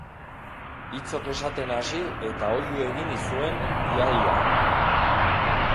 Hitzok esaten hasi eta oihu egin zuen ia-ia.